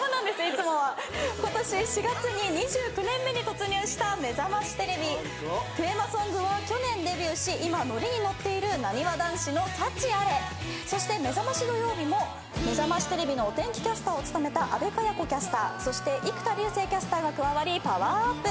ことし４月に２９年目に突入した『めざましテレビ』テーマソングは去年デビューし今ノリに乗っているなにわ男子の『サチアレ』そして『めざましどようび』も『めざましテレビ』のお天気キャスターを務めた阿部華也子キャスターそして生田竜聖キャスターが加わりパワーアップ！